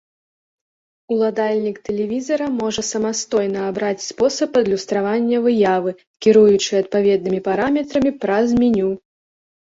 Уладальнік тэлевізара можа самастойна абраць спосаб адлюстравання выявы, кіруючы адпаведнымі параметрамі праз меню.